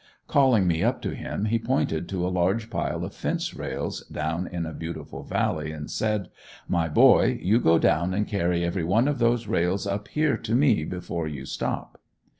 Calling me up to him he pointed to a large pile of fence rails down in a beautiful valley and said: "my boy you go down and carry every one of those rails up here to me before you stop."